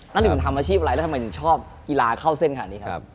หนึ่งทำอาชีพอะไรแล้วทำไมถึงชอบกีฬาเข้าเส้นขนาดนี้ครับ